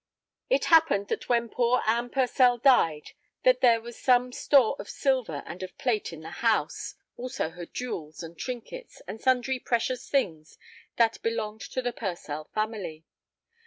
It happened that when poor Anne Purcell died that there was some store of silver and of plate in the house, also her jewels and trinkets, and sundry precious things that belonged to the Purcell family.